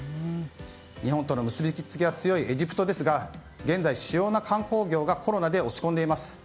日本との結びつきが強いエジプトですが現在、主要な観光業がコロナで落ち込んでいます。